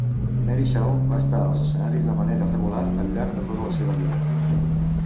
Mary Shaw va estar als escenaris de manera regular al llarg de tota la seva vida.